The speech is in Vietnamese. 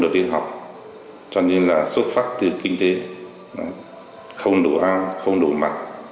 cây lá ngón được phát từ kinh tế không đủ ám không đủ mặt